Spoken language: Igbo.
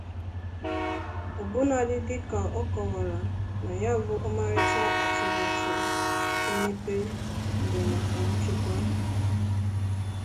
ọbụnadị dịka ọ kọwara na ya bụ ọmarịcha atụmatụ mmepe bụ maka nchekwa